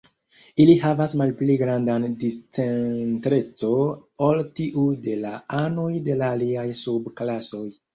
Ili havas malpli grandan discentreco ol tiu de la anoj de la aliaj sub-klasoj.